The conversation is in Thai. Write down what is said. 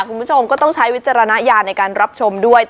คุณผู้ชมก็ต้องใช้วิจารณญาณในการรับชมด้วย